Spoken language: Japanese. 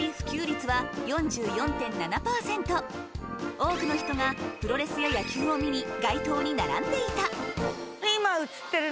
多くの人がプロレスや野球を見に街頭に並んでいたへぇ。といわれています。